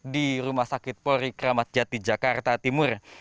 di rumah sakit pori kramat jati jakarta timur